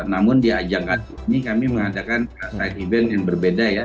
namun di ajang kali ini kami mengadakan side event yang berbeda ya